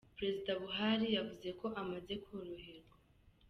Perezida Buhari yavuze ko amaze koroherwa.